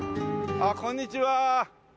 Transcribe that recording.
あっこんにちは。